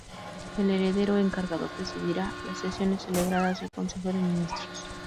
El Heredero encargado presidirá las sesiones celebradas del Consejo de Ministros.